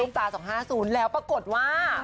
ตา๒๕๐แล้วปรากฏว่า